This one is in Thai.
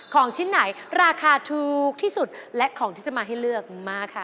ของชิ้นไหนราคาถูกที่สุดและของที่จะมาให้เลือกมาค่ะ